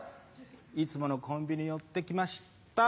いつものコンビニ寄って来ました。